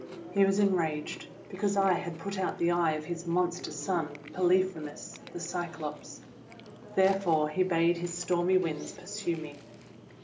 He was enraged because I had put out the eye of his monster son, Polyphemus the Cyclops. Therefore he bade his stormy Winds pursue me.